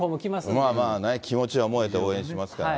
まあまあね、気持ちは燃えて応援しますからね。